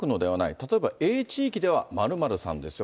例えばＡ地域では〇〇さんですよ。